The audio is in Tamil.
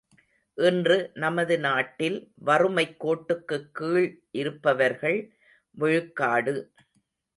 இன்று நமது நாட்டில் வறுமைக்கோட்டுக்குக் கீழ் இருப்பவர்கள் விழுக்காடு.